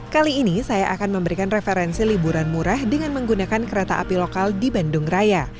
kali ini saya akan memberikan referensi liburan murah dengan menggunakan kereta api lokal di bandung raya